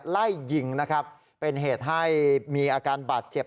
ไล่ยิงนะครับเป็นเหตุให้มีอาการบาดเจ็บ